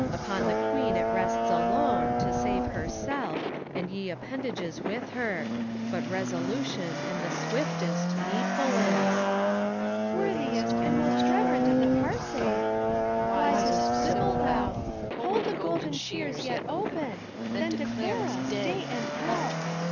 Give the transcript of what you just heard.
Upon the Queen it rests alone. To save herself, and ye appendages with her. But resolution, and the swiftest, needful is. CHORUS. Worthiest and most reverend of the Parcse, wisest sibyl thou, Hold the golden shears yet open, then declare us Day and Help!